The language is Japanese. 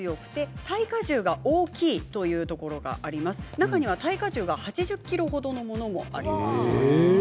中には耐荷重が８０ｋｇほどのものもあります。